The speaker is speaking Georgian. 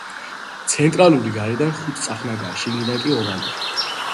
ცენტრალური გარედან ხუთწახნაგაა, შიგნიდან კი ოვალური.